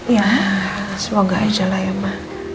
ya semoga aja lah ya mak